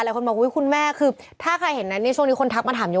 หลายคนบอกว่าคุณแม่ถ้าใครเห็นในช่วงนี้คนทักมันถาม